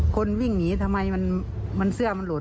คนวิ่งหนีทำไมมันเสื้อมันหลุด